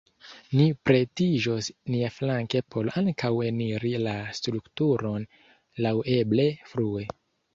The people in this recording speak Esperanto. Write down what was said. Ni pretiĝos niaflanke por ankaŭ eniri la strukturon laŭeble frue.